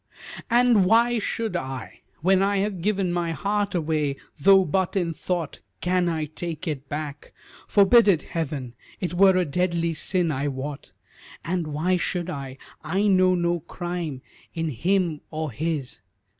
"And why should I? When I have given My heart away, though but in thought, Can I take back? Forbid it, Heaven! It were a deadly sin, I wot. And why should I? I know no crime In him or his."